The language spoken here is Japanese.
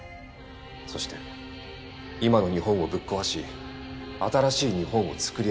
そして今の日本をぶっ壊し新しい日本をつくり上げる。